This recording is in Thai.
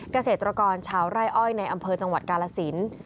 เกษตรกรชาวไร่อ้อยในอำเภอจังหวัดกาลสิน